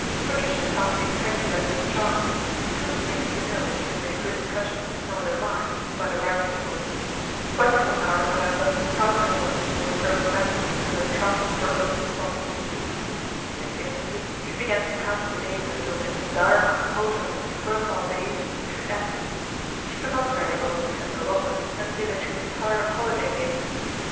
Patricia found Lady Peggy's letter charming. She was pleased to know that she had made a good impression and was admired by the right people. Twenty four hours, however, found her once more thrown back into the trough of her own despond A RACE WITH SP1JSSTERHOOD 289 ency. Instinctively she began to count the days until this " dire compulsion of infertile days " should end She could not very well return to Lon don and say that she was tired of holiday making.